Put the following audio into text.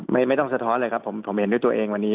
ไม่ต้องสะท้อนเลยครับผมผมเห็นด้วยตัวเองวันนี้